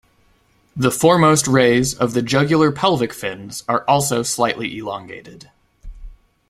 The foremost rays of the jugular pelvic fins are also slightly elongated.